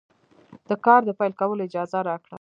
د کار د پیل کولو اجازه راکړه.